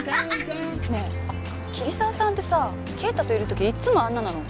ねえ桐沢さんってさ圭太といる時いつもあんななの？